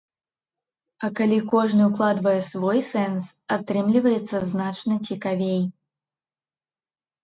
А калі кожны укладвае свой сэнс, атрымліваецца значна цікавей.